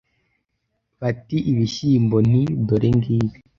bati : ibishyimbo, nti : dore ngibi